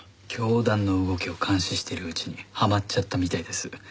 教団の動きを監視してるうちにはまっちゃったみたいです。